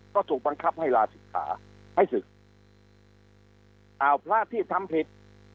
ก็ถูกบังคับให้ลาศิกขาให้ศึกอ้าวพระที่ทำผิด